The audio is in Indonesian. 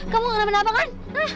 kamu gak ngeri apa apa kan